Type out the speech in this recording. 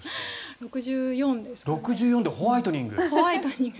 ６４でホワイトニング。